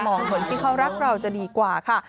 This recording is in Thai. คนที่เขารักเราจะดีกว่าค่ะ